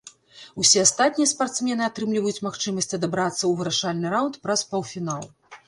Усе астатнія спартсмены атрымліваюць магчымасць адабрацца ў вырашальны раўнд праз паўфінал.